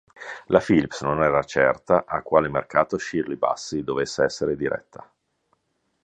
La Philips non era certa a quale mercato Shirley Bassey dovesse essere diretta.